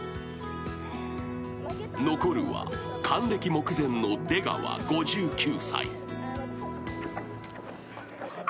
［残るは還暦目前の出川５９歳］